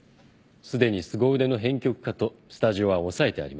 すでにすご腕の編曲家とスタジオは押さえてあります。